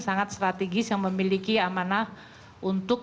sangat strategis yang memiliki amanah untuk